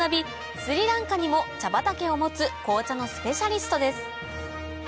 スリランカにも茶畑を持つ紅茶のスペシャリストです